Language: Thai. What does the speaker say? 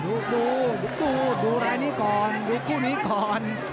ดูลุกดูดูรายนี้ก่อนดูคู่นี้ก่อน